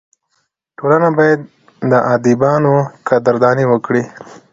ټولنه باید د ادیبانو قدرداني وکړي.